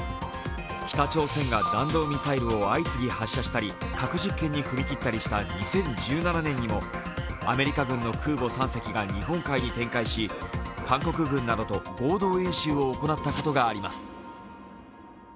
北朝鮮が弾道ミサイルを相次ぎ発射したり核実験に踏み切ったりした２０１７年にもアメリカ軍の空母３隻が日本海に展開し、韓国軍などと合同演習を行ったことがあります。